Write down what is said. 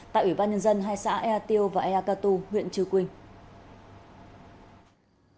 tại ủy ban nhân dân hai xã ea tiêu và ea cà tu huyện chư quỳnh